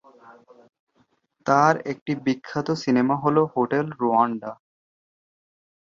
তার একটি বিখ্যাত সিনেমা হল হোটেল রুয়ান্ডা।